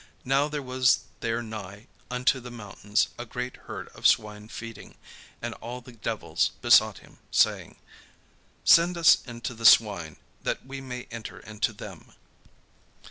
Now there was there nigh unto the mountains a great herd of swine feeding. And all the devils besought him, saying: "Send us into the swine, that we may enter into them."